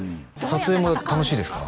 撮影も楽しいですか？